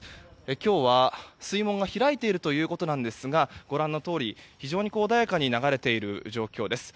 今日は水門が開いているということですがご覧のとおり、非常に穏やかに流れている状況です。